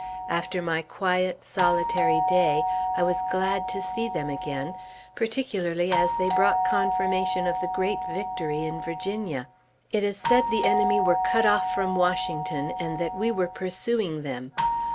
After my quiet, solitary day, I was glad to see them again, particularly as they brought confirmation of the great victory in Virginia. It is said the enemy were cut off from Washington, and that we were pursuing them.